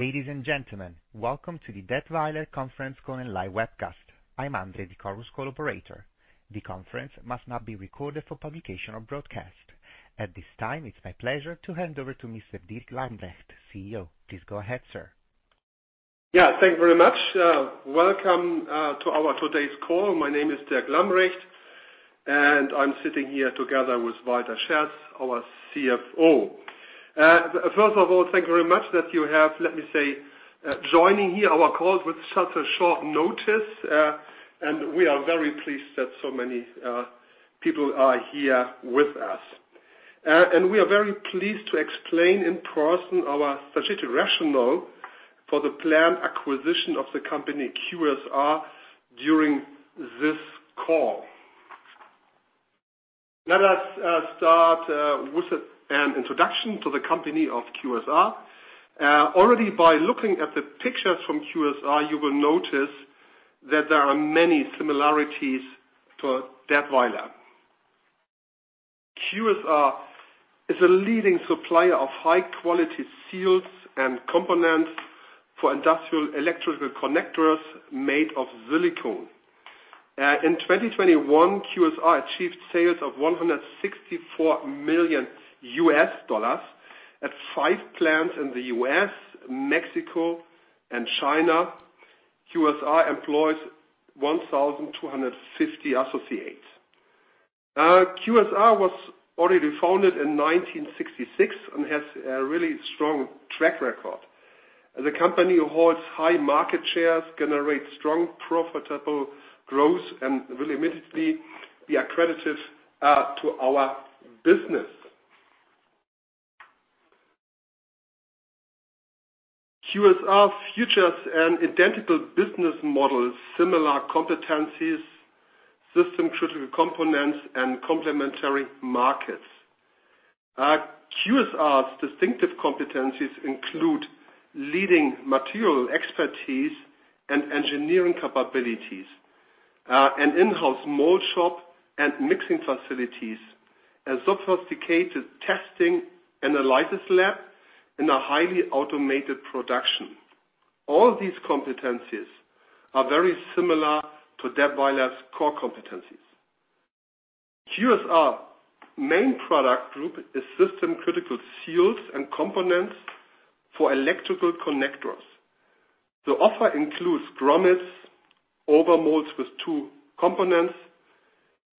Ladies and gentlemen, welcome to the Datwyler Conference Call and Live Webcast. I'm Andre, the call's collaborator. The conference must not be recorded for publication or broadcast. At this time, it's my pleasure to hand over to Mr. Dirk Lambrecht, CEO. Please go ahead, sir. Yeah, thank you very much. Welcome to our today's call. My name is Dirk Lambrecht, and I'm sitting here together with Walter Scherz, our CFO. First of all, thank you very much that you have, let me say, joining here our call with such a short notice. We are very pleased that so many people are here with us. We are very pleased to explain in person our strategic rationale for the planned acquisition of the company QSR during this call. Let us start with an introduction to the company of QSR. Already by looking at the pictures from QSR, you will notice that there are many similarities to Datwyler. QSR is a leading supplier of high-quality seals and components for industrial electrical connectors made of silicone. In 2021, QSR achieved sales of $164 million at five plants in the U.S., Mexico, and China. QSR employs 1,250 associates. QSR was already founded in 1966 and has a really strong track record. The company holds high market shares, generates strong profitable growth, and will immediately be accretive to our business. QSR features an identical business model, similar competencies, system-critical components, and complementary markets. QSR's distinctive competencies include leading material expertise and engineering capabilities, an in-house mold shop and mixing facilities, a sophisticated testing analysis lab, and a highly automated production. All these competencies are very similar to Datwyler's core competencies. QSR's main product group is system-critical seals and components for electrical connectors. The offer includes grommets, overmolds with two components,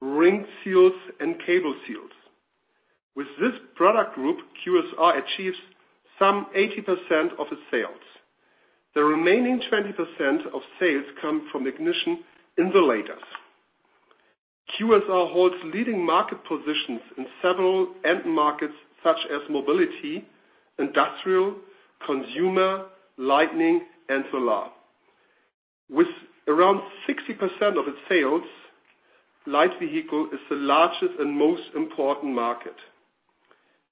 ring seals, and cable seals. With this product group, QSR achieves some 80% of its sales. The remaining 20% of sales come from ignition insulators. QSR holds leading market positions in several end markets such as mobility, industrial, consumer, lighting, and solar. With around 60% of its sales, light vehicle is the largest and most important market.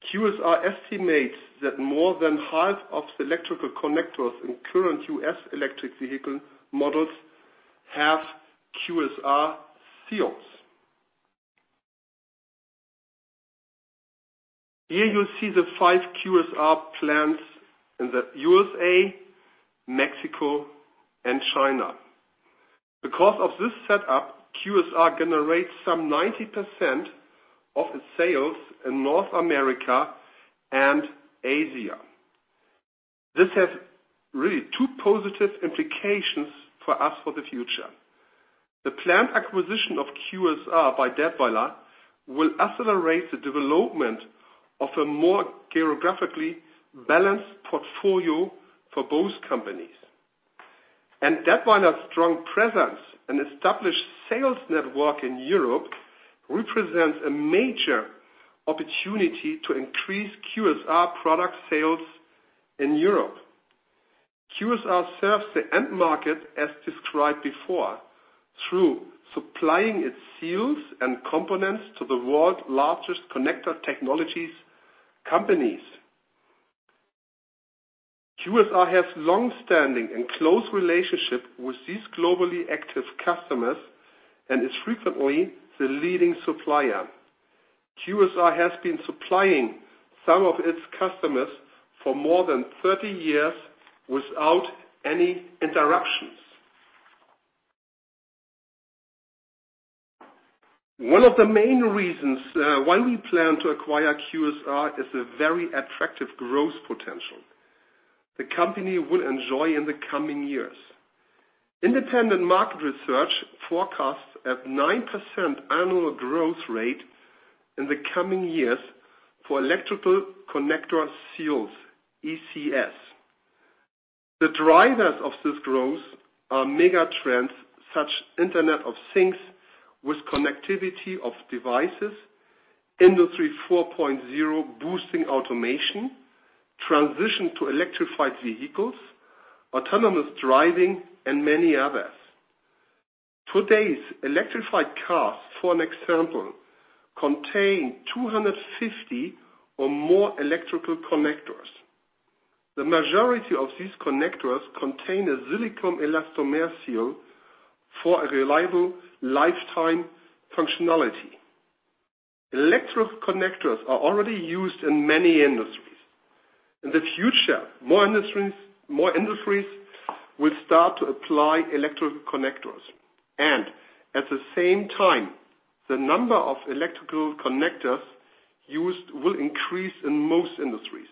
QSR estimates that more than half of the electrical connectors in current U.S. electric vehicle models have QSR seals. Here you see the five QSR plants in the U.S.A., Mexico, and China. Because of this setup, QSR generates some 90% of its sales in North America and Asia. This has really two positive implications for us for the future. The planned acquisition of QSR by Datwyler will accelerate the development of a more geographically balanced portfolio for both companies. Datwyler's strong presence and established sales network in Europe represents a major opportunity to increase QSR product sales in Europe. QSR serves the end market as described before, through supplying its seals and components to the world's largest connector technologies companies. QSR has long-standing and close relationship with these globally active customers and is frequently the leading supplier. QSR has been supplying some of its customers for more than 30 years without any interruptions. One of the main reasons why we plan to acquire QSR is a very attractive growth potential the company would enjoy in the coming years. Independent market research forecasts a 9% annual growth rate in the coming years for electrical connector seals, ECS. The drivers of this growth are mega trends such as Internet of Things with connectivity of devices, Industry 4.0 boosting automation, transition to electrified vehicles, autonomous driving, and many others. Today's electrified cars, for example, contain 250 or more electrical connectors. The majority of these connectors contain a silicone elastomer seal for a reliable lifetime functionality. Electrical connectors are already used in many industries. In the future, more industries will start to apply electrical connectors. At the same time, the number of electrical connectors used will increase in most industries.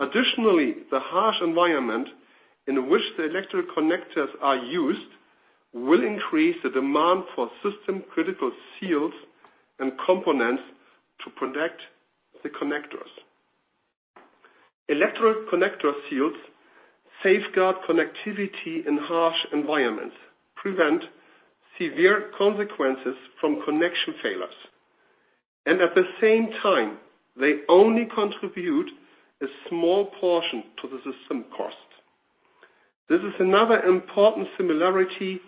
Additionally, the harsh environment in which the electrical connectors are used will increase the demand for system-critical seals and components to protect the connectors. Electrical connector seals safeguard connectivity in harsh environments, prevent severe consequences from connection failures, and at the same time, they only contribute a small portion to the system cost. This is another important similarity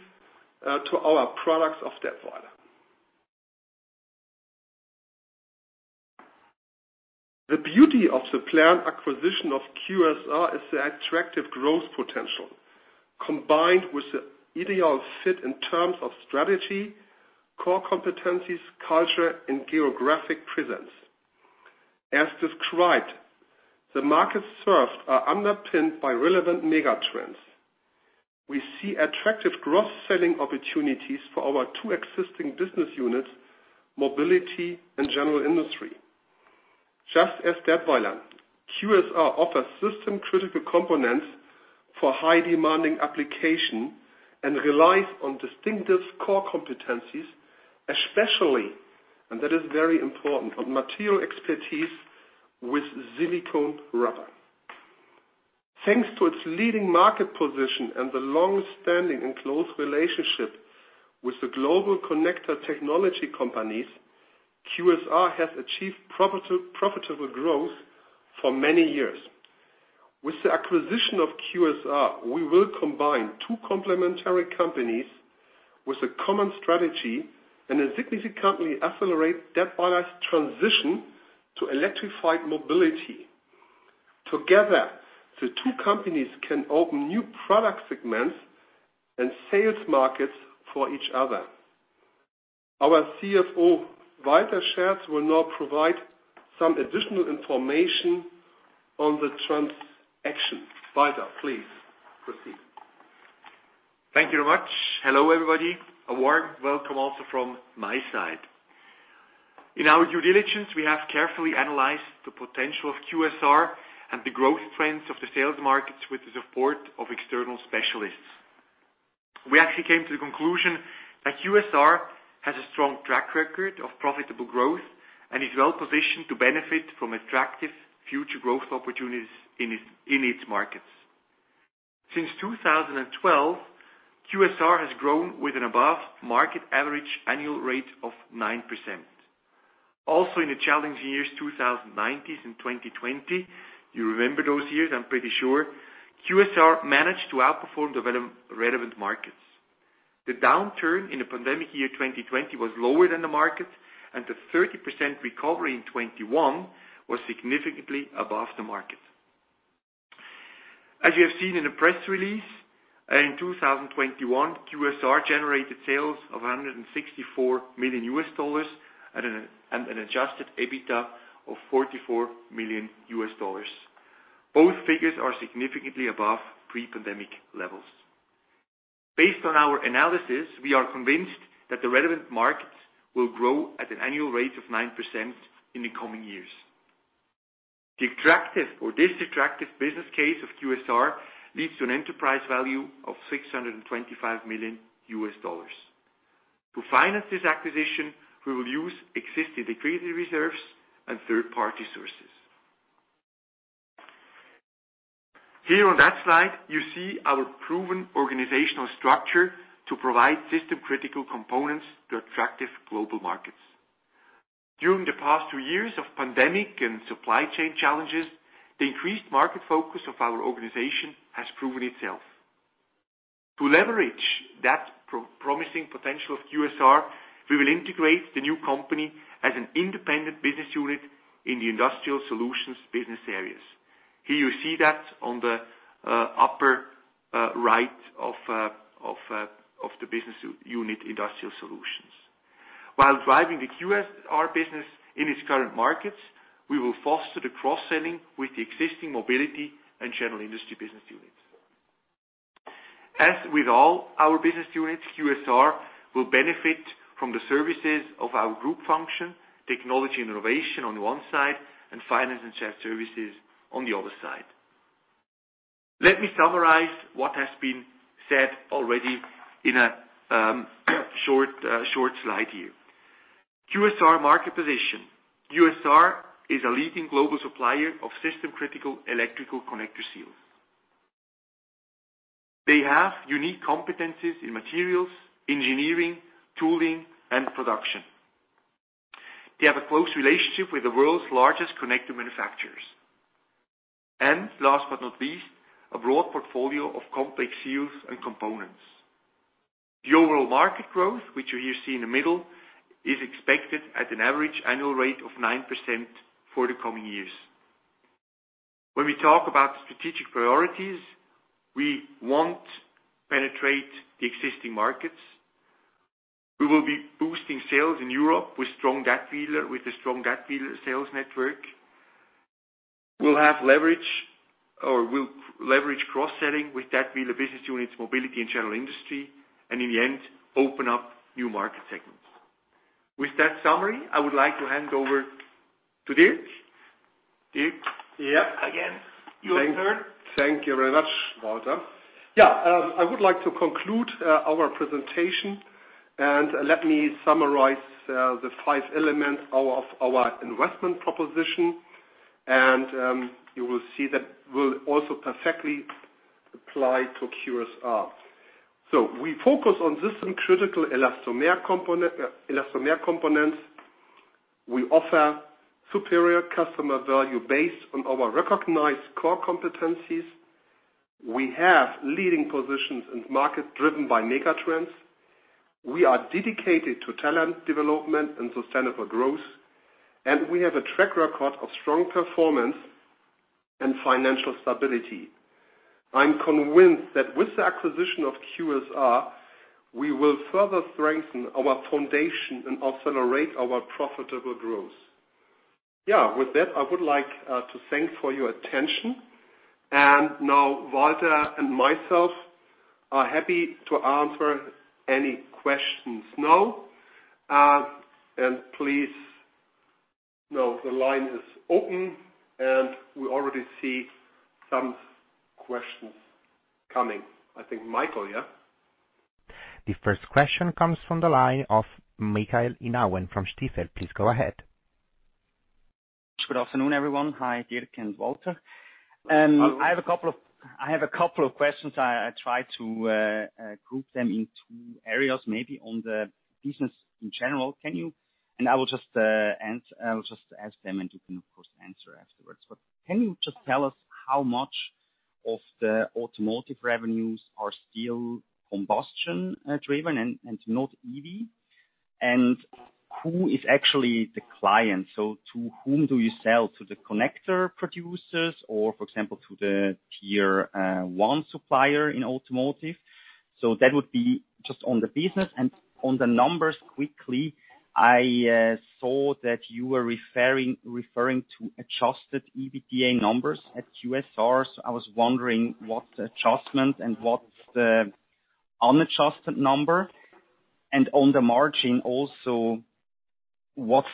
to our products of Datwyler. The beauty of the planned acquisition of QSR is the attractive growth potential, combined with the ideal fit in terms of strategy, core competencies, culture, and geographic presence. As described, the markets served are underpinned by relevant mega trends. We see attractive cross-selling opportunities for our two existing business units, Mobility and General Industry. Just as Datwyler, QSR offers system-critical components for high-demanding application and relies on distinctive core competencies, especially, and that is very important, on material expertise with silicone rubber. Thanks to its leading market position and the long-standing and close relationship with the global connector technology companies, QSR has achieved profitable growth for many years. With the acquisition of QSR, we will combine two complementary companies with a common strategy and significantly accelerate that product transition to electrified mobility. Together, the two companies can open new product segments and sales markets for each other. Our CFO, Walter Scherz, will now provide some additional information on the transaction. Walter, please proceed. Thank you very much. Hello, everybody. A warm welcome also from my side. In our due diligence, we have carefully analyzed the potential of QSR and the growth trends of the sales markets with the support of external specialists. We actually came to the conclusion that QSR has a strong track record of profitable growth and is well positioned to benefit from attractive future growth opportunities in its markets. Since 2012, QSR has grown with an above-market average annual rate of 9%. Also in the challenging years, 2019 and 2020, you remember those years, I'm pretty sure, QSR managed to outperform the relevant markets. The downturn in the pandemic year, 2020, was lower than the market, and the 30% recovery in 2021 was significantly above the market. As you have seen in the press release, in 2021, QSR generated sales of $164 million and an Adjusted EBITDA of $44 million. Both figures are significantly above pre-pandemic levels. Based on our analysis, we are convinced that the relevant markets will grow at an annual rate of 9% in the coming years. This attractive business case of QSR leads to an enterprise value of $625 million. To finance this acquisition, we will use existing cash reserves and third-party sources. Here on that slide, you see our proven organizational structure to provide system-critical components to attractive global markets. During the past two years of pandemic and supply chain challenges, the increased market focus of our organization has proven itself. To leverage that promising potential of QSR, we will integrate the new company as an independent business unit in the Industrial Solutions business area. Here you see that on the upper right of the business unit Industrial Solutions. While driving the QSR business in its current markets, we will foster the cross-selling with the existing Mobility and General Industry business units. As with all our business units, QSR will benefit from the services of our group function, Technology and Innovation on one side, and finance and shared services on the other side. Let me summarize what has been said already in a short slide here. QSR market position. QSR is a leading global supplier of system-critical electrical connector seals. They have unique competencies in materials, engineering, tooling, and production. They have a close relationship with the world's largest connector manufacturers. Last but not least, a broad portfolio of complex seals and components. The overall market growth, which you here see in the middle, is expected at an average annual rate of 9% for the coming years. When we talk about strategic priorities, we want to penetrate the existing markets. We will be boosting sales in Europe with strong Datwyler, with a strong Datwyler sales network. We'll have leverage or we'll leverage cross-selling with Datwyler business units, Mobility and General Industry, and in the end, open up new market segments. With that summary, I would like to hand over to Dirk. Dirk? Yeah. Again, you heard. Thank you very much, Walter. Yeah, I would like to conclude our presentation and let me summarize the five elements of our investment proposition. You will see that will also perfectly apply to QSR. We focus on system-critical elastomer components. We offer superior customer value based on our recognized core competencies. We have leading positions in markets driven by megatrends. We are dedicated to talent development and sustainable growth, and we have a track record of strong performance and financial stability. I'm convinced that with the acquisition of QSR, we will further strengthen our foundation and accelerate our profitable growth. Yeah. With that, I would like to thank you for your attention. Now Walter and myself are happy to answer any questions now. Please. Now the line is open, and we already see some questions coming. I think Michael, yeah? The first question comes from the line of Michael Inauen from Stifel. Please go ahead. Good afternoon, everyone. Hi, Dirk and Walter. I have a couple of questions. I try to group them in two areas, maybe on the business in general. I will just ask them, and you can of course answer afterwards. Can you just tell us how much of the automotive revenues are still combustion driven and not EV? And who is actually the client? To whom do you sell? To the connector producers or for example, to the tier one supplier in automotive? That would be just on the business and on the numbers. Quickly, I saw that you were referring to Adjusted EBITDA numbers at QSR. I was wondering what adjustment and what's the unadjusted number. On the margin also, what's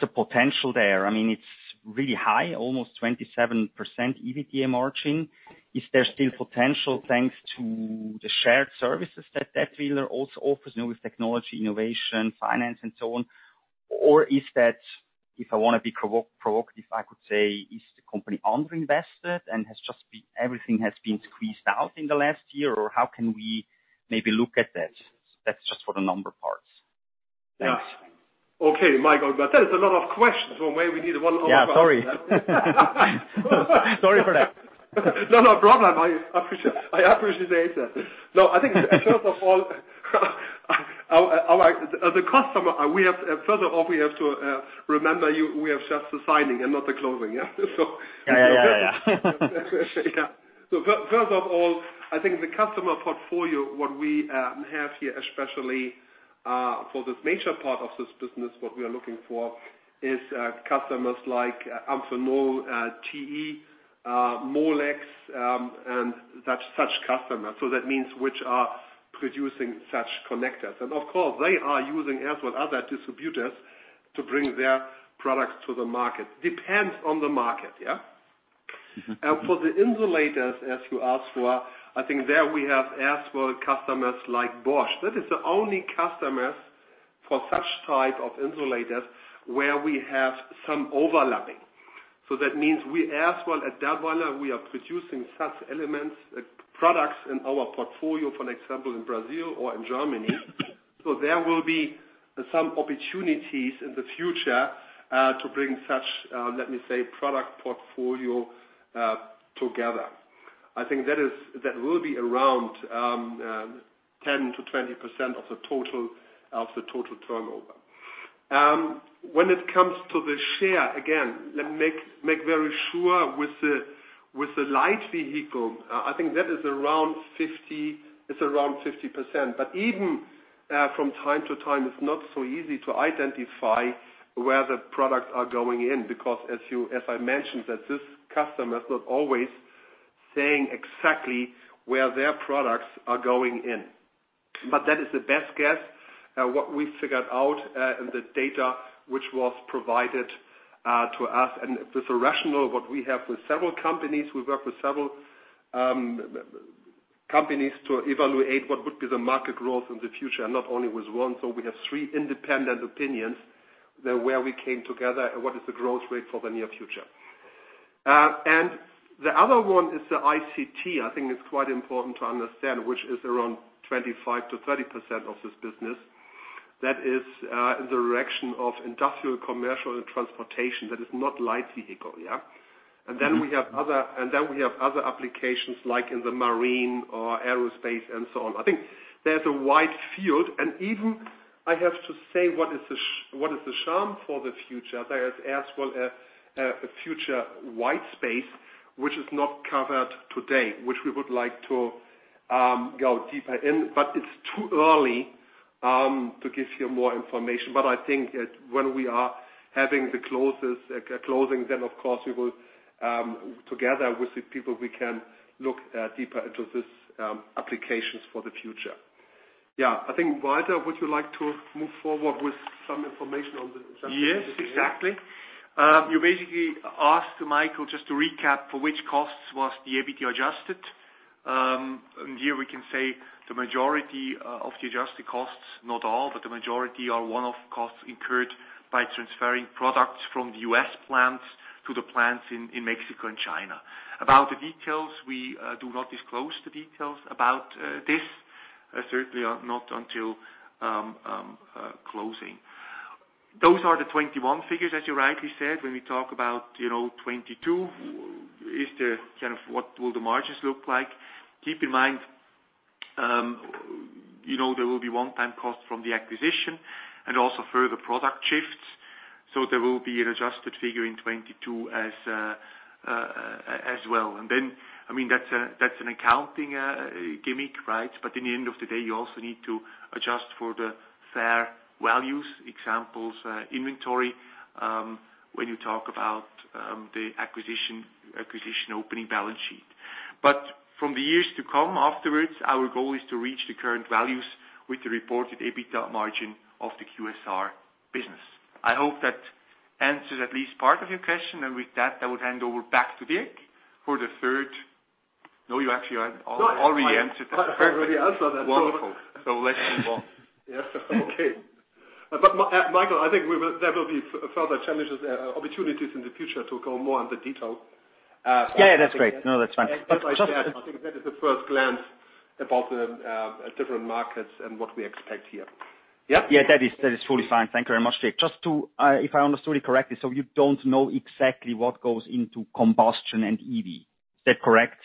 the potential there? I mean, it's really high, almost 27% EBITDA margin. Is there still potential thanks to the shared services that Datwyler also offers now with technology, innovation, finance and so on? Or is that, if I wanna be provocative, I could say, is the company underinvested and everything has been squeezed out in the last year? Or how can we maybe look at that? That's just for the number parts. Thanks. Yeah. Okay, Michael, but that is a lot of questions, so maybe we need one. Yeah, sorry. Sorry for that. No, no problem. I appreciate the answer. No, I think first of all, our customer, we have to remind you, we have just the signing and not the closing. Yeah. Yeah. First of all, I think the customer portfolio, what we have here, especially, for this major part of this business, what we are looking for is, customers like Amphenol, TE, Molex, and such customers. That means which are producing such connectors. Of course, they are using as well other distributors to bring their products to the market. Depends on the market, yeah. Mm-hmm. For the insulators, as you asked for, I think there we have as well customers like Bosch. That is the only customers for such type of insulators where we have some overlapping. That means we as well at Datwyler, we are producing such elements, products in our portfolio, for example, in Brazil or in Germany. There will be some opportunities in the future, to bring such, let me say, product portfolio, together. I think that is that will be around 10%-20% of the total turnover. When it comes to the share, again, let me make very sure with the light vehicle, I think that is around 50%, it's around 50%. Even from time to time, it's not so easy to identify where the products are going in because as I mentioned, this customer is not always saying exactly where their products are going in. That is the best guess, what we figured out in the data which was provided to us. This rationale, what we have with several companies, we work with several companies to evaluate what would be the market growth in the future, not only with one. We have three independent opinions where we came together and what is the growth rate for the near future. The other one is the IC&T. I think it's quite important to understand, which is around 25%-30% of this business. That is in the direction of industrial, commercial, and transportation. That is not light vehicle, yeah. Mm-hmm. We have other applications like in the marine or aerospace and so on. I think there's a wide field, and even I have to say, what is the chance for the future? There is as well a future white space which is not covered today, which we would like to go deeper in, but it's too early to give you more information. I think that when we are having the closing, then of course we will together with the people we can look deeper into this applications for the future. Yeah. I think, Walter, would you like to move forward with some information on the- Yes, exactly. You basically asked Michael just to recap for which costs was the EBITDA adjusted. Here we can say the majority of the adjusted costs, not all, but the majority are one-off costs incurred by transferring products from the U.S. plants to the plants in Mexico and China. About the details, we do not disclose the details about this, certainly not until closing. Those are the 2021 figures, as you rightly said. When we talk about, you know, 2022, is what will the margins look like. Keep in mind, you know, there will be one-time costs from the acquisition and also further product shifts. There will be an adjusted figure in 2022 as well. Then, I mean, that's an accounting gimmick, right? At the end of the day, you also need to adjust for the fair values, examples, inventory, when you talk about the acquisition opening balance sheet. From the years to come afterwards, our goal is to reach the current values with the reported EBITDA margin of the QSR business. I hope that answers at least part of your question. With that, I would hand over back to Dirk. No, you actually already answered that. I already answered that. Wonderful. Let's move on. Yeah. Okay. Michael, I think there will be further challenges, opportunities in the future to go more on the detail. Yeah, that's great. No, that's fine. I think that is a first glance about the different markets and what we expect here. Yep. Yeah, that is truly fine. Thank you very much, Dirk. If I understood it correctly, you don't know exactly what goes into combustion and EV. Is that correct?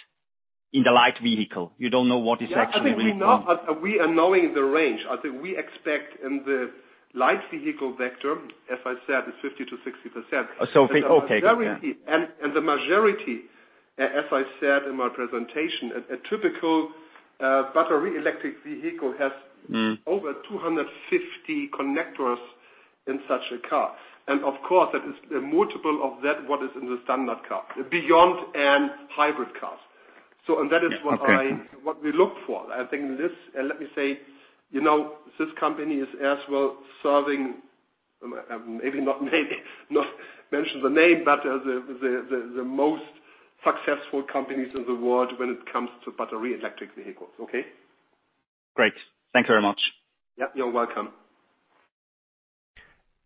In the light vehicle, you don't know what is actually- Yeah, I think we know, but we are knowing the range. I think we expect in the light vehicle sector, as I said, is 50%-60%. Okay. Got it. The majority, as I said in my presentation, a typical battery electric vehicle has Mm. Over 250 connectors in such a car. Of course, that is a multiple of what is in the standard car, beyond a hybrid car. That is what I- Okay. Let me say, you know, this company is as well serving, maybe not name, not mention the name, but the most successful companies in the world when it comes to battery electric vehicles. Okay? Great. Thank you very much. Yep, you're welcome.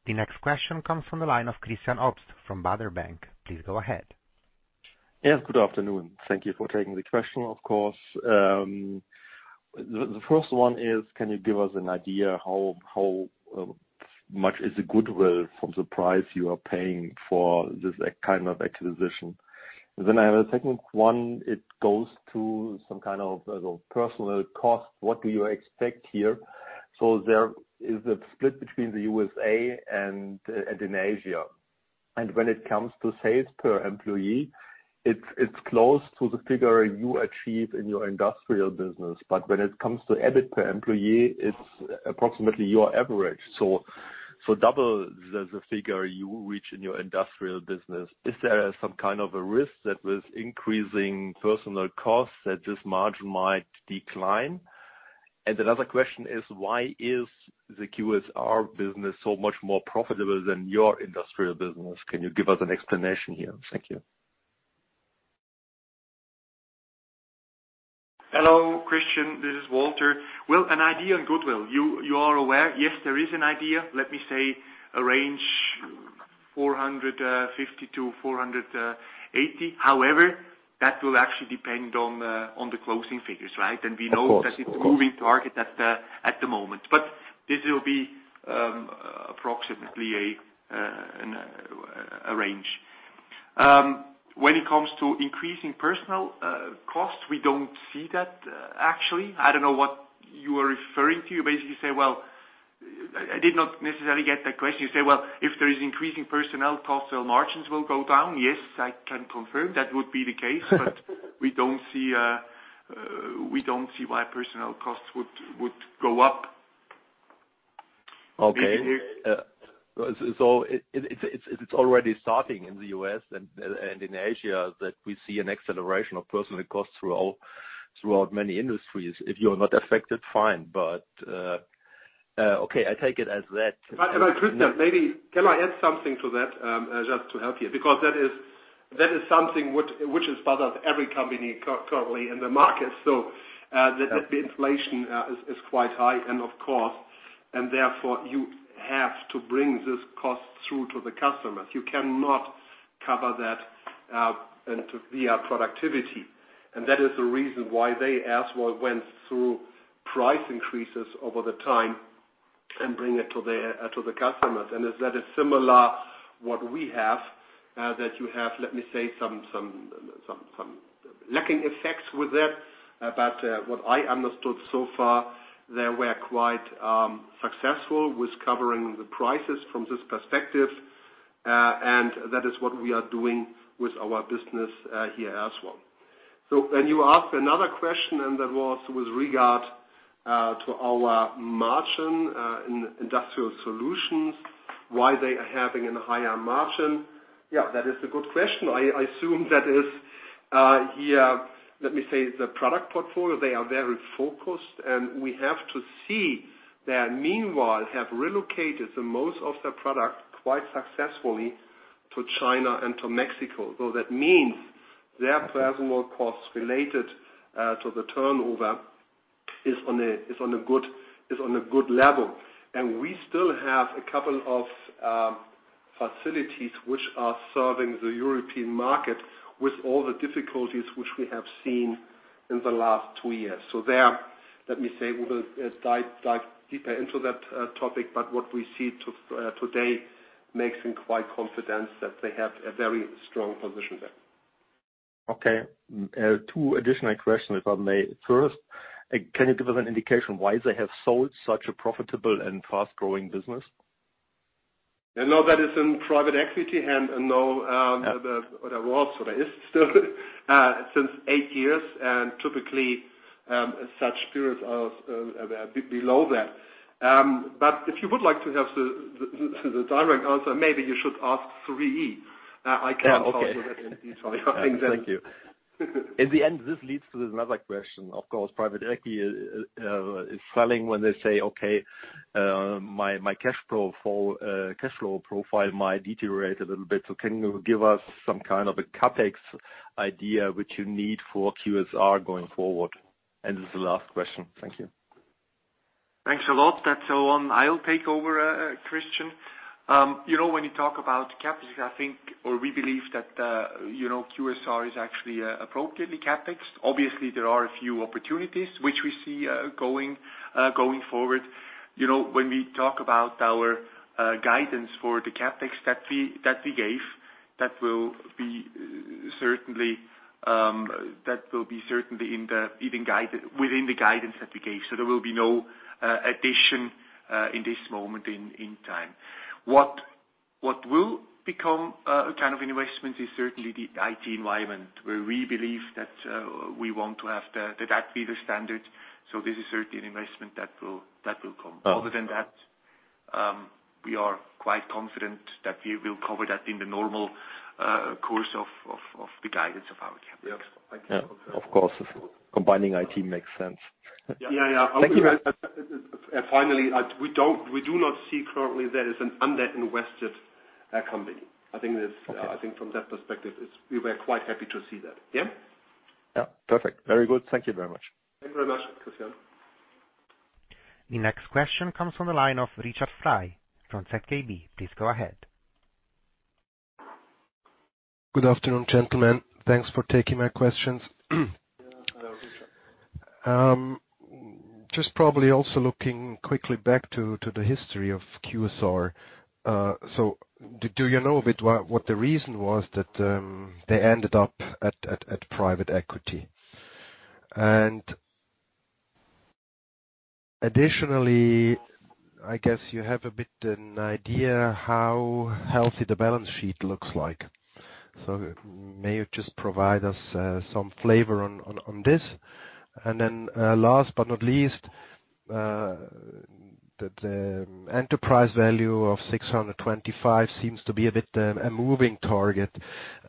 The next question comes from the line of Christian Obst from Baader Bank. Please go ahead. Yes, good afternoon. Thank you for taking the question, of course. The first one is, can you give us an idea how much is the goodwill from the price you are paying for this kind of acquisition? I have a second one. It goes to some kind of personnel costs. What do you expect here? There is a split between the USA and in Asia. When it comes to sales per employee, it's close to the figure you achieve in your industrial business. When it comes to EBIT per employee, it's approximately your average. Double the figure you reach in your industrial business. Is there some kind of a risk that with increasing personnel costs that this margin might decline? Another question is, why is the QSR business so much more profitable than your industrial business? Can you give us an explanation here? Thank you. Hello, Christian, this is Walter. Well, an idea on goodwill. You are aware, yes, there is an idea. Let me say a range, 450 million-480 million. However, that will actually depend on the closing figures, right? Of course. We know that it's a moving target at the moment, but this will be approximately a range. When it comes to increasing personnel costs, we don't see that actually. I don't know what you are referring to. You basically say, well, I did not necessarily get that question. You say, well, if there is increasing personnel costs, their margins will go down. Yes, I can confirm that would be the case. We don't see why personnel costs would go up. Okay. It's already starting in the U.S. and in Asia that we see an acceleration of personnel costs throughout many industries. If you're not affected, fine. Okay, I take it as that. Christian, maybe can I add something to that, just to help you? Because that is something which is part of every company currently in the market. The inflation is quite high on costs, and therefore you have to bring this cost through to the customers. You cannot cover that via productivity. That is the reason why they as well went through price increases over time and bring it to the customers. That is similar to what we have. Let me say, you have some lagging effects with that. But what I understood so far, they were quite successful with covering the prices from this perspective, and that is what we are doing with our business here as well. You ask another question, and that was with regard to our margin in Industrial Solutions, why they are having a higher margin. Yeah, that is a good question. I assume that is here, let me say the product portfolio, they are very focused, and we have to see they meanwhile have relocated the most of their product quite successfully to China and to Mexico. That means their personnel costs related to the turnover is on a good level. We still have a couple of facilities which are serving the European market with all the difficulties which we have seen in the last two years. There, let me say, we will dive deeper into that topic, but what we see today makes him quite confident that they have a very strong position there. Okay. Two additional questions, if I may. First, can you give us an indication why they have sold such a profitable and fast-growing business? I know that is in private equity and I know or there was or there is still since eight years and typically such periods are below that. If you would like to have the direct answer, maybe you should ask 3i. I can't help you with it. Okay. Thank you. In the end, this leads to another question. Of course, private equity is selling when they say, "Okay, my cash flow profile might deteriorate a little bit." Can you give us some kind of a CapEx idea which you need for QSR going forward? This is the last question. Thank you. Thanks a lot. That one I'll take over, Christian. You know, when you talk about CapEx, I think, or we believe that, you know, QSR is actually appropriately CapEx. Obviously, there are a few opportunities which we see going forward. You know, when we talk about our guidance for the CapEx that we gave, that will be certainly within the guidance that we gave. There will be no addition in this moment in time. What will become a kind of investment is certainly the IT environment, where we believe that we want to have the data standard. This is certainly an investment that will come. Other than that, we are quite confident that we will cover that in the normal course of the guidance of our CapEx. Yes. Of course. Combining IT makes sense. Yeah. Yeah. Thank you. Finally, we do not see currently that is an under-invested company. I think this. Okay. I think from that perspective, we were quite happy to see that. Yeah. Yeah. Perfect. Very good. Thank you very much. Thank you very much, Christian. The next question comes from the line of Richard Frei from ZKB. Please go ahead. Good afternoon, gentlemen. Thanks for taking my questions. Hello, Richard. Just probably also looking quickly back to the history of QSR. Do you know a bit what the reason was that they ended up at private equity? Additionally, I guess you have a bit of an idea how healthy the balance sheet looks like. Might you just provide us some flavor on this. Last but not least, the enterprise value of $625 million seems to be a bit of a moving target.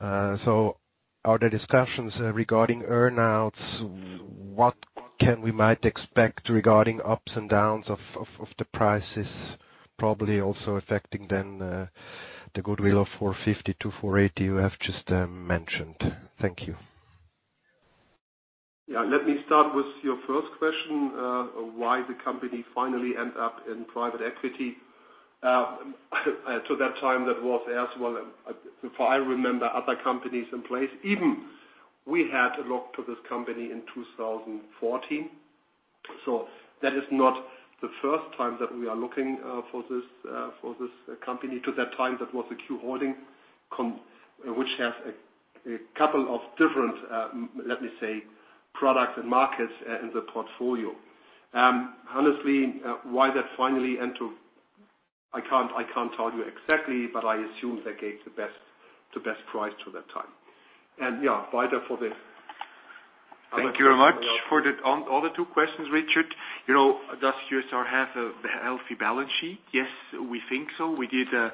Are there discussions regarding earn-outs? What might we expect regarding ups and downs of the prices probably also affecting then the goodwill of 450 million-480 million you have just mentioned. Thank you. Yeah. Let me start with your first question, why the company finally ends up in private equity. At that time, that was as well, if I remember other companies in place, even we had looked to this company in 2014. That is not the first time that we are looking for this company. At that time, that was a Q Holding Comp which has a couple of different, let me say, products and markets in the portfolio. Honestly, why that finally ended, I can't tell you exactly, but I assume they gave the best price at that time. Yeah, further for the Thank you very much for the two questions, Richard. You know, does QSR have a healthy balance sheet? Yes, we think so. We did a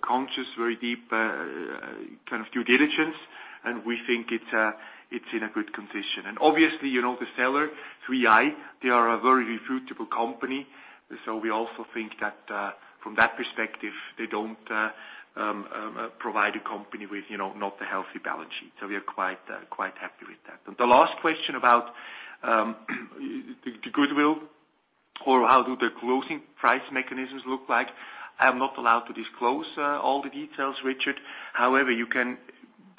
conscious, very deep, kind of due diligence, and we think it's in a good condition. Obviously, you know, the seller, 3i, they are a very reputable company. We also think that, from that perspective, they don't provide a company with, you know, not a healthy balance sheet. We are quite happy with that. The last question about the goodwill or how do the closing price mechanisms look like, I am not allowed to disclose all the details, Richard. However,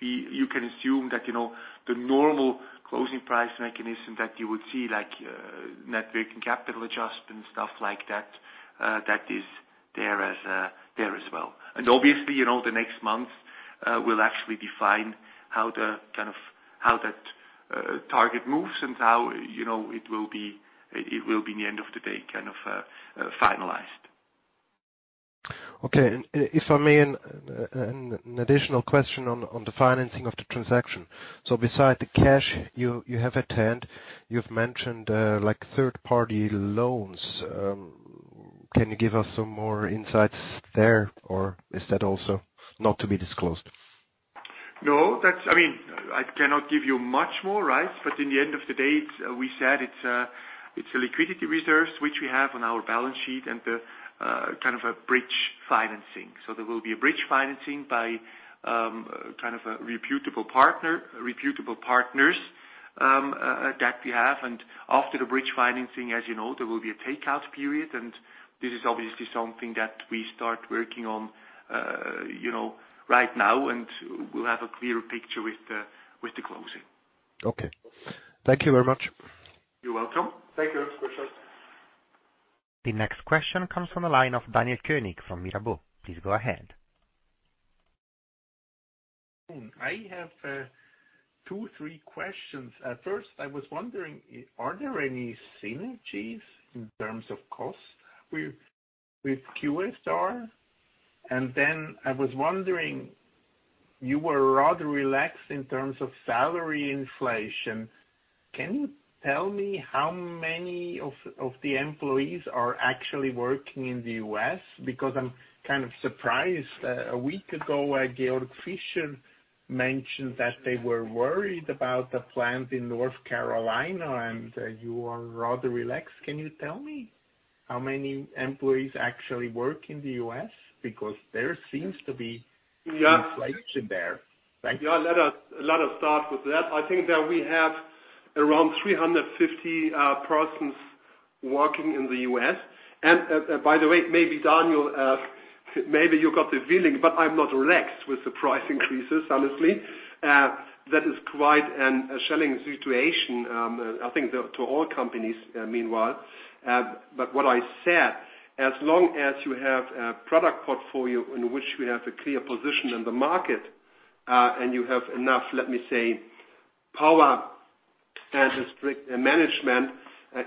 you can assume that, you know, the normal closing price mechanism that you would see, like, net working capital adjustments, stuff like that is there as well. Obviously, you know, the next months Will actually define kind of how that target moves and how, you know, it will be in the end of the day kind of finalized. Okay. If I may, an additional question on the financing of the transaction. Besides the cash you have at hand, you've mentioned like third-party loans. Can you give us some more insights there, or is that also not to be disclosed? No, that's, I mean, I cannot give you much more, right? In the end of the day, it's a liquidity reserves which we have on our balance sheet and kind of a bridge financing. There will be a bridge financing by kind of a reputable partners that we have. After the bridge financing, as you know, there will be a takeout period. This is obviously something that we start working on, you know, right now, and we'll have a clearer picture with the closing. Okay. Thank you very much. You're welcome. Thank you. The next question comes from the line of Daniel König from Mirabaud. Please go ahead. I have two, three questions. First, I was wondering, are there any synergies in terms of costs with QSR? I was wondering, you were rather relaxed in terms of salary inflation. Can you tell me how many of the employees are actually working in the U.S.? Because I'm kind of surprised. A week ago, Georg Fischer mentioned that they were worried about the plant in North Carolina, and you are rather relaxed. Can you tell me how many employees actually work in the U.S.? Because there seems to be- Yeah. Inflation there. Thank you. Yeah. Let us start with that. I think that we have around 350 persons working in the U.S. By the way, maybe Daniel, maybe you got the feeling, but I'm not relaxed with the price increases, honestly. That is quite a challenging situation, I think to all companies, meanwhile. What I said, as long as you have a product portfolio in which we have a clear position in the market, and you have enough, let me say, power and strict management,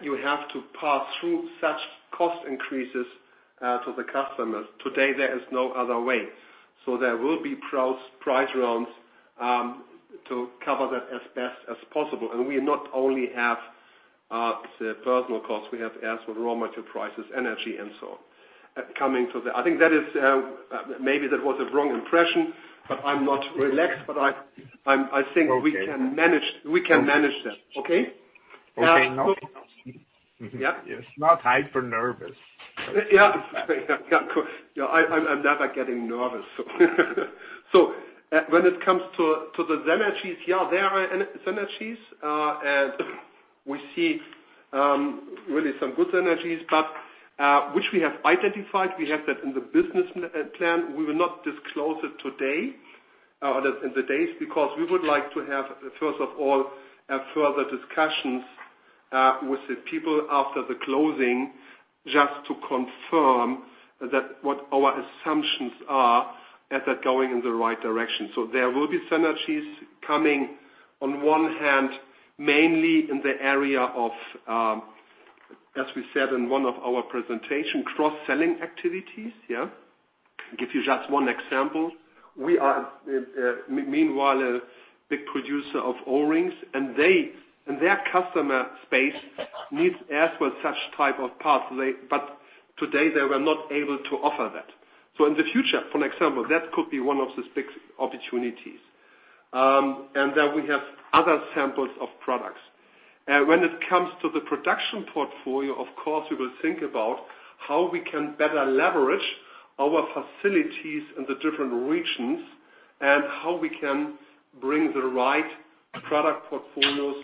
you have to pass through such cost increases to the customers. Today, there is no other way. There will be price rounds to cover that as best as possible. We not only have the personnel costs, we have as well raw material prices, energy, and so on. I think that is maybe that was a wrong impression, but I'm not relaxed. I think- Okay. We can manage that. Okay? Okay. Yeah. Not hyper nervous. Yeah. Yeah, of course. I'm never getting nervous. When it comes to the synergies, yeah, there are synergies, and we see really some good synergies, but which we have identified. We have that in the business plan. We will not disclose it today or in the days, because we would like to have first of all further discussions with the people after the closing just to confirm that what our assumptions are and they're going in the right direction. There will be synergies coming on one hand, mainly in the area of, as we said in one of our presentations, cross-selling activities, yeah. Give you just one example. We are meanwhile a big producer of O-rings and they, in their customer base, need as well such type of parts. Today they were not able to offer that. In the future, for example, that could be one of the big opportunities. Then we have other samples of products. When it comes to the production portfolio, of course, we will think about how we can better leverage our facilities in the different regions and how we can bring the right product portfolios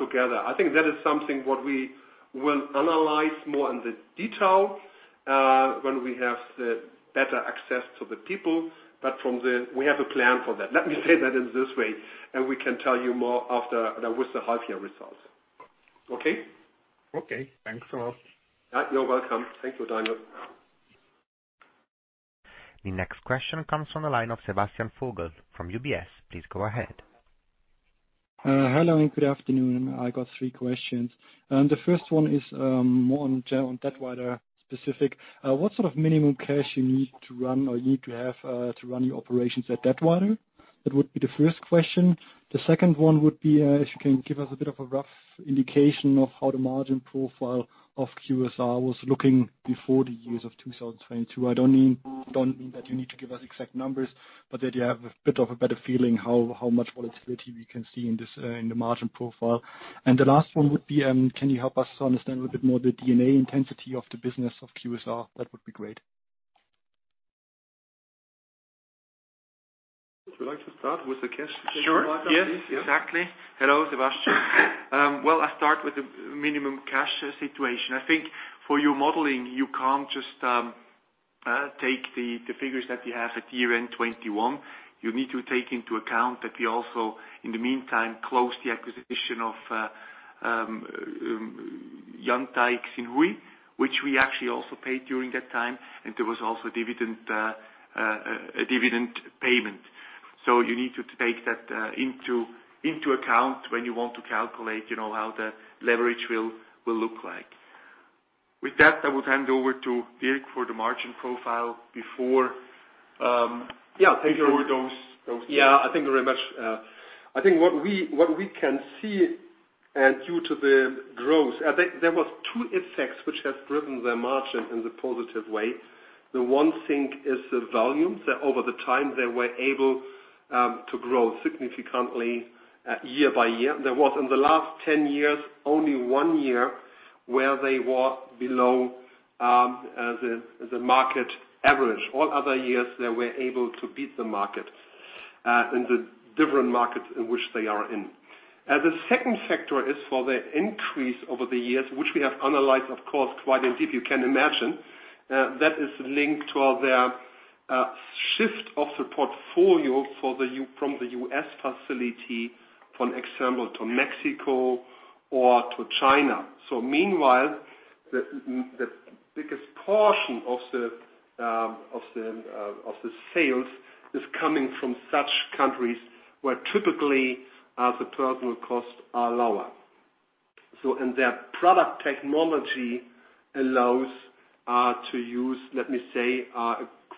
together. I think that is something what we will analyze more in detail when we have better access to the people. We have a plan for that. Let me say that in this way, and we can tell you more after that, with the half year results. Okay? Okay. Thanks a lot. You're welcome. Thank you, Daniel. The next question comes from the line of Sebastian Vogel from UBS. Please go ahead. Hello, and good afternoon. I got three questions. The first one is more on general Datwyler specific. What sort of minimum cash you need to run or you need to have to run your operations at Datwyler? That would be the first question. The second one would be if you can give us a bit of a rough indication of how the margin profile of QSR was looking before the years of 2022. I don't mean that you need to give us exact numbers, but that you have a bit of a better feeling how much volatility we can see in this, in the margin profile. The last one would be can you help us understand a little bit more the D&A intensity of the business of QSR? That would be great. Would you like to start with the cash? Sure, yes. Exactly. Hello, Sebastian. Well, I start with the minimum cash situation. I think for your modeling, you can't just take the figures that you have at year-end 2021. You need to take into account that we also, in the meantime, close the acquisition of, Yantai Xinhui, which we actually also paid during that time, and there was also a dividend payment. You need to take that into account when you want to calculate, you know, how the leverage will look like. With that, I would hand over to Dirk for the margin profile before. Yeah. Before those. Yeah. Thank you very much. I think what we can see and due to the growth, I think there was two effects which has driven the margin in the positive way. The one thing is the volume, that over the time, they were able to grow significantly year by year. There was, in the last 10 years, only one year where they were below the market average. All other years, they were able to beat the market in the different markets in which they are in. The second factor is for the increase over the years, which we have analyzed, of course, quite in depth, you can imagine. That is linked to their shift of the portfolio from the U.S. facility, for example, to Mexico or to China. Meanwhile, the biggest portion of the sales is coming from such countries where typically the personnel costs are lower. Their product technology allows to use, let me say,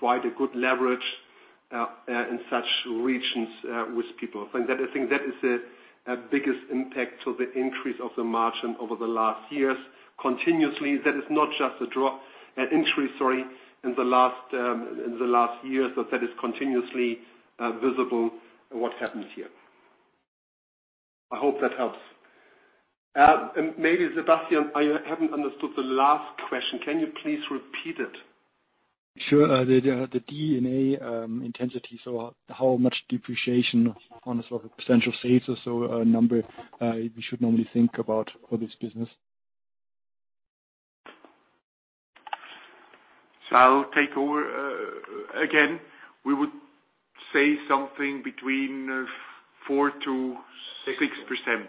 quite a good leverage in such regions with people. That, I think that is the biggest impact to the increase of the margin over the last years continuously. That is not just a drop, an increase, sorry, in the last years, but that is continuously visible what happens here. I hope that helps. Maybe Sebastian, I haven't understood the last question. Can you please repeat it? Sure. The D&A intensity. How much depreciation on the sort of potential sales or so, number we should normally think about for this business. I'll take over. Again, we would say something between 4%-6%,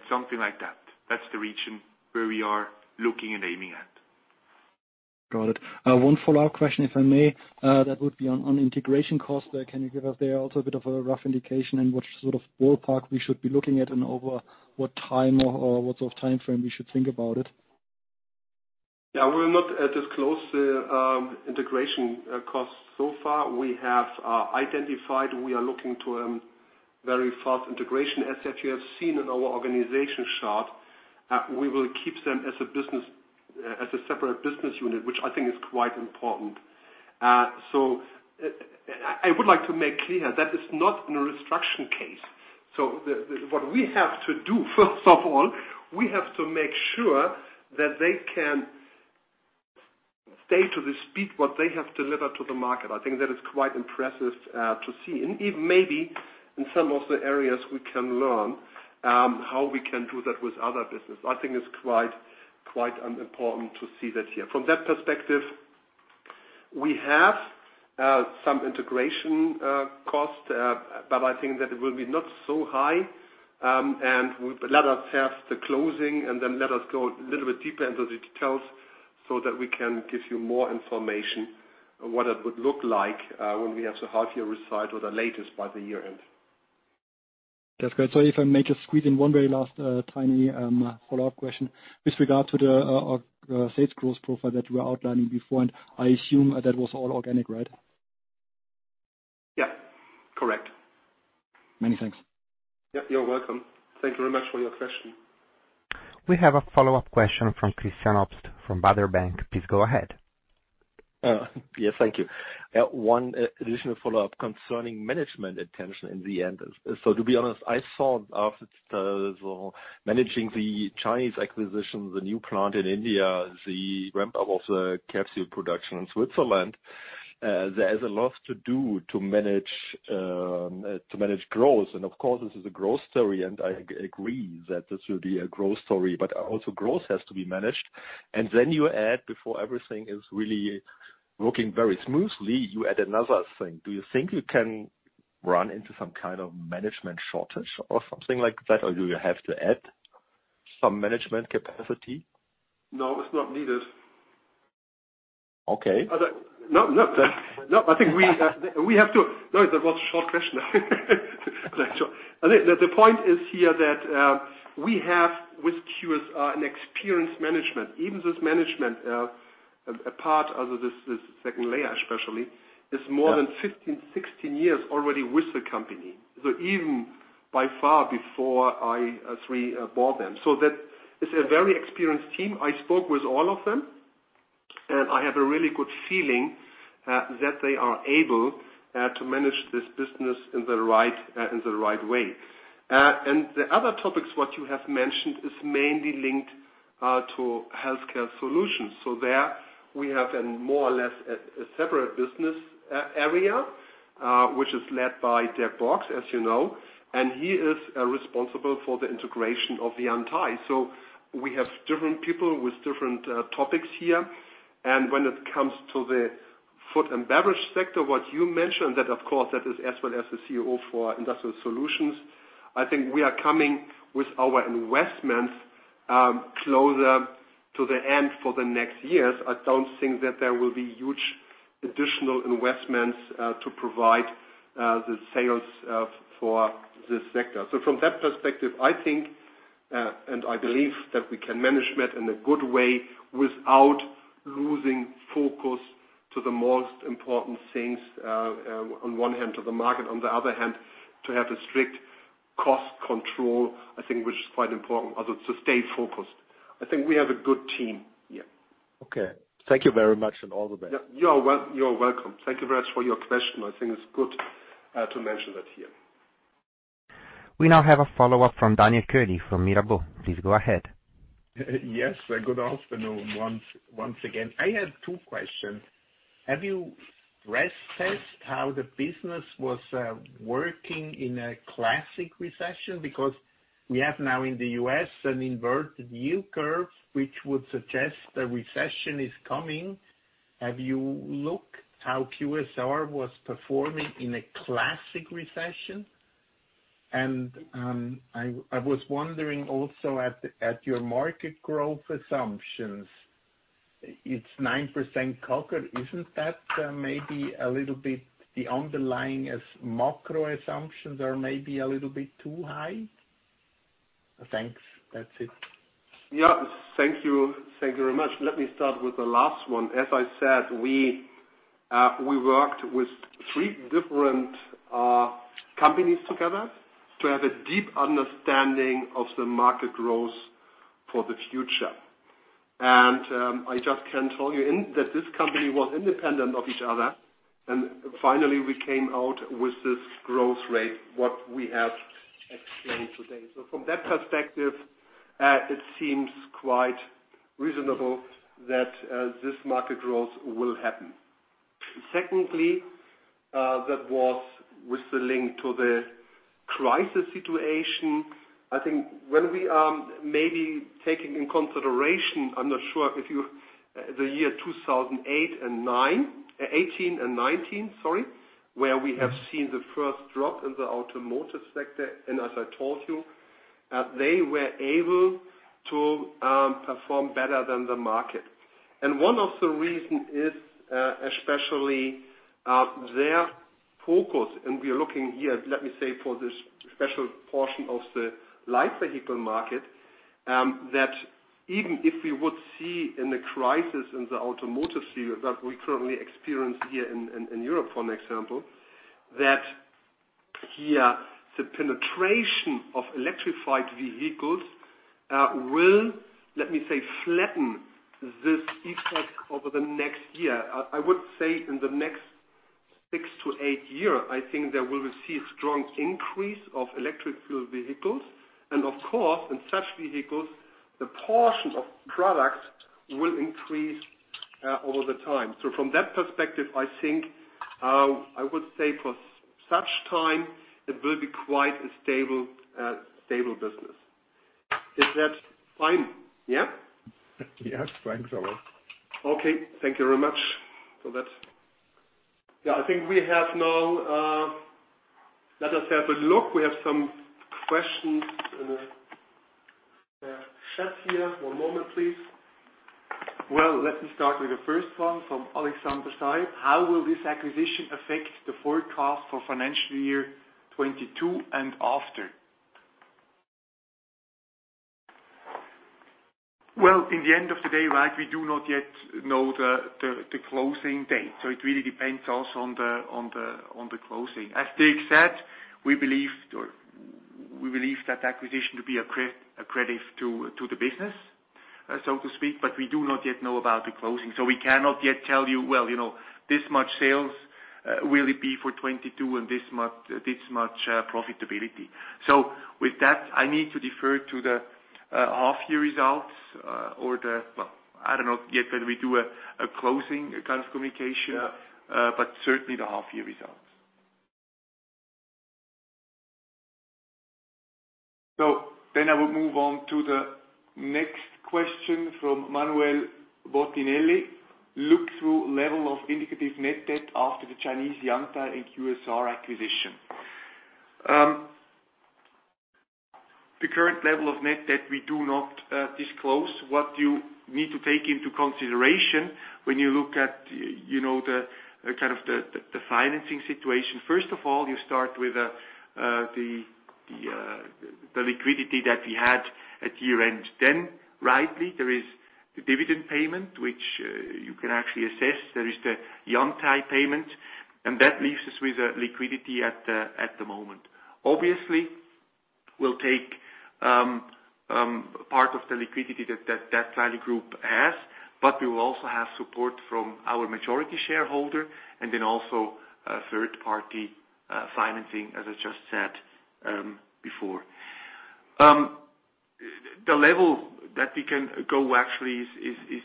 something like that. That's the region where we are looking and aiming at. Got it. One follow-up question, if I may. That would be on integration costs. Can you give us there also a bit of a rough indication in which sort of ballpark we should be looking at and over what time or what sort of timeframe we should think about it? We're not disclosing the integration costs so far. We have identified. We are looking to very fast integration. As you have seen in our organization chart, we will keep them as a business as a separate business unit, which I think is quite important. I would like to make clear that it's not a restruction case. What we have to do, first of all, we have to make sure that they can stay at the speed what they have delivered to the market. I think that is quite impressive to see. Even maybe in some of the areas we can learn how we can do that with other business. I think it's quite important to see that here. From that perspective, we have some integration costs, but I think that it will be not so high, and let us have the closing, and then let us go a little bit deeper into the details so that we can give you more information on what it would look like, when we have the half year result or the latest by the year end. That's great. If I may just squeeze in one very last, tiny, follow-up question. With regard to the, sales growth profile that you were outlining before, and I assume that was all organic, right? Yeah. Correct. Many thanks. Yep, you're welcome. Thank you very much for your question. We have a follow-up question from Christian Obst from Baader Bank. Please go ahead. Yes, thank you. One additional follow-up concerning management attention in the end. To be honest, I see after managing the Chinese acquisition, the new plant in India, the ramp up of the capsule production in Switzerland, there is a lot to do to manage growth. Of course, this is a growth story, and I agree that this will be a growth story, but also growth has to be managed. Then you add before everything is really working very smoothly, you add another thing. Do you think you can run into some kind of management shortage or something like that? Or do you have to add some management capacity? No, it's not needed. Okay. No, I think that was a short question. The point is here that we have with QSR an experienced management. Even this management, a part of this second layer especially, is more than 15-16 years already with the company. Even long before we bought them. That is a very experienced team. I spoke with all of them, and I have a really good feeling that they are able to manage this business in the right way. The other topics what you have mentioned is mainly linked to Healthcare Solutions. There we have a more or less separate business area, which is led by Dirk Borghs, as you know, and he is responsible for the integration of the Yantai. We have different people with different topics here. When it comes to the Food and Beverage sector, what you mentioned, that of course is as well the CEO for Industrial Solutions. I think we are coming with our investments closer to the end for the next years. I don't think that there will be huge additional investments to provide the sales for this sector. From that perspective, I think, and I believe that we can manage that in a good way without losing focus to the most important things, on one hand to the market, on the other hand, to have a strict cost control, I think which is quite important also to stay focused. I think we have a good team here. Okay. Thank you very much, and all the best. You are welcome. Thank you very much for your question. I think it's good to mention that here. We now have a follow-up from Daniel König from Mirabaud. Please go ahead. Yes. Good afternoon once again. I have two questions. Have you stress-tested how the business was working in a classic recession? Because we have now in the U.S. an inverted yield curve, which would suggest the recession is coming. Have you looked how QSR was performing in a classic recession? I was wondering also about your market growth assumptions. It's 9% CAGR. Isn't that maybe a little bit the underlying macro assumptions or maybe a little bit too high? Thanks. That's it. Thank you. Thank you very much. Let me start with the last one. As I said, we worked with three different companies together to have a deep understanding of the market growth for the future. I just can tell you that this company was independent of each other, and finally, we came out with this growth rate, what we have explained today. From that perspective, it seems quite reasonable that this market growth will happen. Secondly, that was with the link to the crisis situation. I think when we maybe taking in consideration, I'm not sure if the year 2008 and 2009, 2018 and 2019, sorry, where we have seen the first drop in the automotive sector. As I told you, they were able to perform better than the market. One of the reasons is especially their focus, and we are looking here, let me say, for this special portion of the light vehicle market that even if we would see a crisis in the automotive sphere that we currently experience here in Europe, for example, that here the penetration of electrified vehicles will, let me say, flatten this effect over the next year. I would say in the next six to eight years, I think that we'll see a strong increase in electrified vehicles. Of course, in such vehicles, the portion of products will increase over time. From that perspective, I think I would say for such time, it will be quite a stable business. Is that fine? Yeah. Yes. Thanks a lot. Okay. Thank you very much for that. Yeah. I think we have now, let us have a look. We have some questions in the chat here. One moment, please. Well, let me start with the first one from Alexander Siegl. How will this acquisition affect the forecast for financial year 2022 and after? At the end of the day, right, we do not yet know the closing date. It really depends also on the closing. As Dirk said, we believe that acquisition to be accretive to the business, so to speak, but we do not yet know about the closing. We cannot yet tell you, well, you know, this much sales will it be for 2022 and this much profitability. With that, I need to defer to the half-year results. Well, I don't know yet whether we do a closing kind of communication. Yeah. Certainly the half-year results. I would move on to the next question from Manuel Bortoletti. Look-through level of indicative net debt after the Chinese Yantai and QSR acquisition. The current level of net debt we do not disclose. What you need to take into consideration when you look at the financing situation. First of all, you start with the liquidity that we had at year-end. Then rightly, there is the dividend payment, which you can actually assess. There is the Yantai payment, and that leaves us with a liquidity at the moment. Obviously, we'll take part of the liquidity that family group has, but we will also have support from our majority shareholder and then also a third party financing, as I just said, before. The level that we can go actually is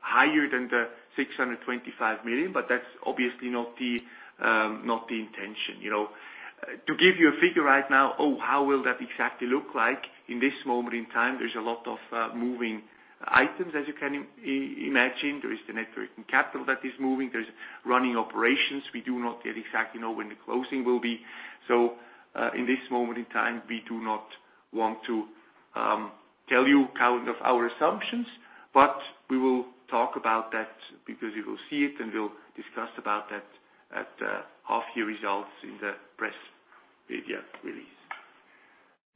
higher than the 625 million, but that's obviously not the intention, you know. To give you a figure right now, how will that exactly look like? In this moment in time, there's a lot of moving items, as you can imagine. There is the net working capital that is moving. There's running operations. We do not yet exactly know when the closing will be. In this moment in time, we do not want to tell you kind of our assumptions, but we will talk about that because you will see it, and we'll discuss about that at half-year results in the press media release.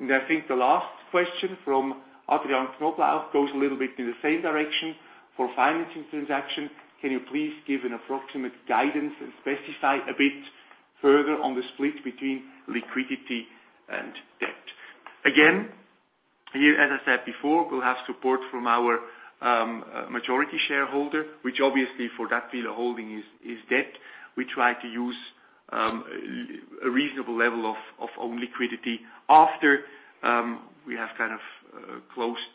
I think the last question from Adrian Knoblauch goes a little bit in the same direction. For financing transaction, can you please give an approximate guidance and specify a bit further on the split between liquidity and debt? Again, here, as I said before, we'll have support from our majority shareholder, which obviously for that field of holding is debt. We try to use a reasonable level of own liquidity after we have kind of closed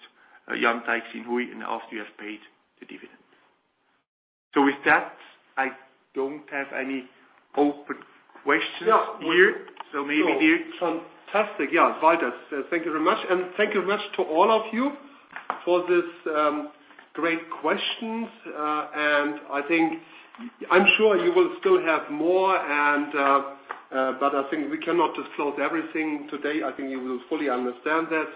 Yantai Xinhui and after you have paid the dividends. With that, I don't have any open questions here. Yeah. Maybe you. Fantastic. Yeah, Walter. Thank you very much, and thank you very much to all of you for this, great questions. I think I'm sure you will still have more and, but I think we cannot disclose everything today. I think you will fully understand that.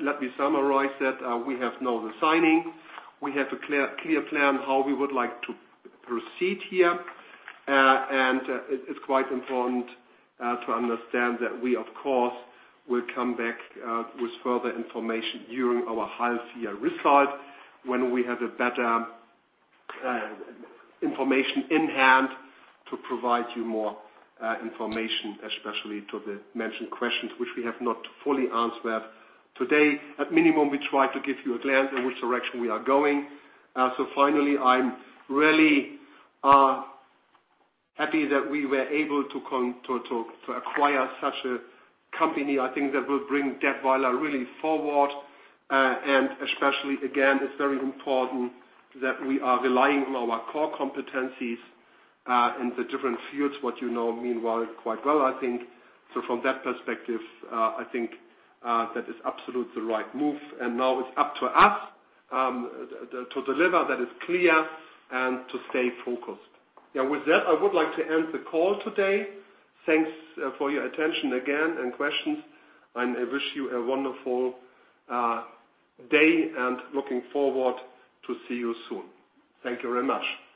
Let me summarize that, we have now the signing. We have a clear plan how we would like to proceed here. It's quite important to understand that we, of course, will come back with further information during our half-year results when we have a better information in hand to provide you more information, especially to the mentioned questions which we have not fully answered today. At minimum, we try to give you a glance in which direction we are going. Finally, I'm really happy that we were able to acquire such a company. I think that will bring Datwyler really forward. Especially again, it's very important that we are relying on our core competencies in the different fields, what you know meanwhile quite well, I think. From that perspective, I think that is absolutely the right move. Now it's up to us to deliver, that is clear, and to stay focused. With that, I would like to end the call today. Thanks for your attention again and questions, and I wish you a wonderful day, and looking forward to see you soon. Thank you very much.